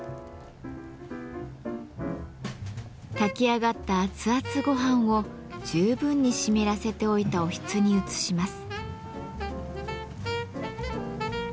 炊き上がったあつあつごはんを十分に湿らせておいたおひつに移します。